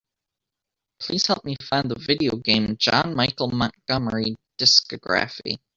Please help me find the video game John Michael Montgomery discography.